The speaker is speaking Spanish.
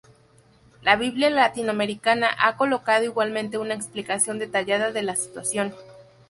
La Biblia Latinoamericana ha colocado igualmente una explicación detallada de la situación.